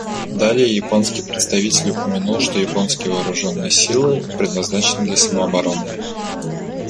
Далее японский представитель упомянул, что японские вооруженные силы предназначены для самообороны.